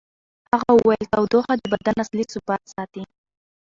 هغه وویل چې تودوخه د بدن اصلي ثبات ساتي.